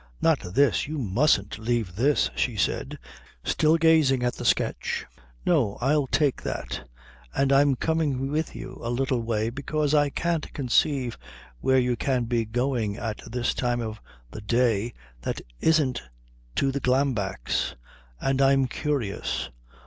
"Not this you mustn't leave this," she said, still gazing at the sketch. "No. I'll take that. And I'm coming with you a little way, because I can't conceive where you can be going to at this time of the day that isn't to the Glambecks', and I'm curious.